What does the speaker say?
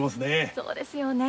そうですよね。